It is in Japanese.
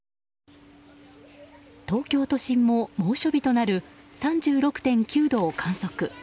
東京都心も猛暑日となる３６．９度を観測。